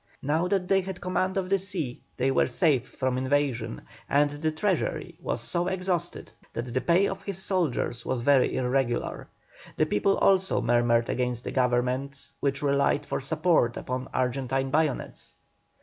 Now that they had command of the sea they were safe from invasion, and the treasury was so exhausted that the pay of his soldiers was very irregular. The people also murmured against a Government which relied for support upon Argentine bayonets.